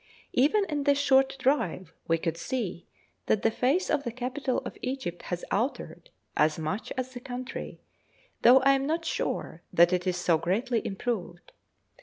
Even in that short drive we could see that the face of the capital of Egypt had altered as much as the country, though I am not sure that it is so greatly improved.